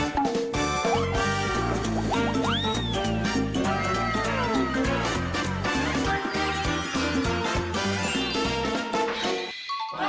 สวัสดีครับ